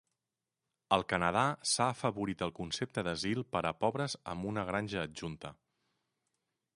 Al Canadà, s'ha afavorit el concepte d'asil per a pobres amb una granja adjunta.